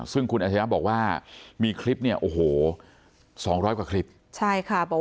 ซึ่งคุณอาชญาบอกว่ามีคลิปเนี่ยโอ้โหสองร้อยกว่าคลิปใช่ค่ะ